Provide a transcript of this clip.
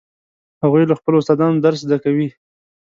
هغوی له خپلو استادانو درس زده کوي